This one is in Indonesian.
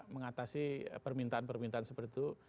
mengatasi permintaan permintaan seperti itu